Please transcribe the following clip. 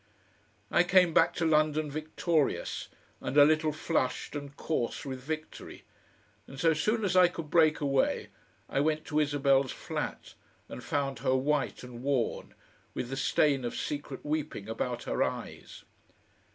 I came back to London victorious, and a little flushed and coarse with victory; and so soon as I could break away I went to Isabel's flat and found her white and worn, with the stain of secret weeping about her eyes.